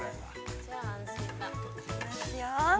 ◆行きますよ。